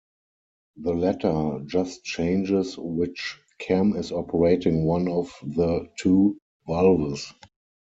The latter just changes which cam is operating one of the two valves.